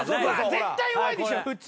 絶対弱いでしょふち。